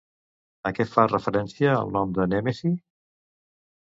A què fa referència el nom de Nèmesi?